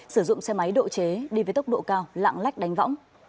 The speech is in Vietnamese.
sử dụng xe máy độ chế đi với tốc độ cao lạng lách đánh võng